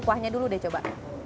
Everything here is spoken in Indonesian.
kuahnya dulu deh coba